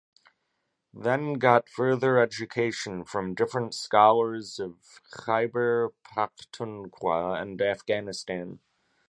Then got further education from different scholars of Khyber Pakhtunkhwa and Afghanistan.